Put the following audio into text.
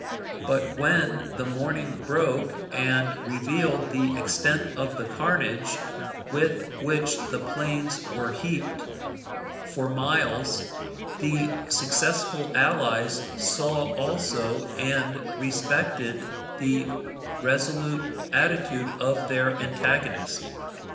But when the morning broke, and revealed the extent of the carnage, with which the plains were heaped for miles, the successful allies saw also and respected the resolute attitude of their antagonist.